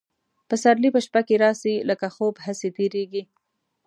پسرلي په شپه کي راسي لکه خوب هسي تیریږي